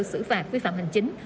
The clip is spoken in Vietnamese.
sử phạt quy phạm hành chính